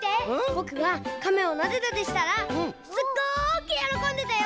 ぼくがカメをなでなでしたらすっごくよろこんでたよ！